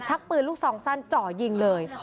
ชักปืนลูกซองสั้นเจาะยิงเลย